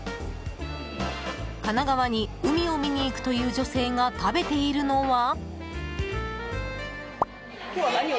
神奈川に海を見に行くという女性が食べているのは？